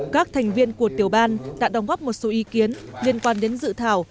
các thành viên của tiểu ban đã đồng góp một số ý kiến liên quan đến dự thảo